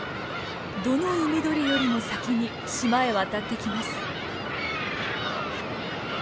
どの海鳥よりも先に島へ渡ってきます。